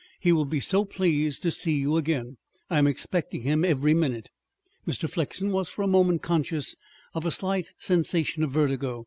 He will be so pleased to see you again. I'm expecting him every minute." Mr. Flexen was for a moment conscious of a slight sensation of vertigo.